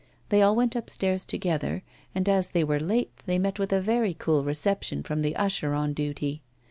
They all went upstairs together, and as they were late they met with a very cool reception from the usher on duty.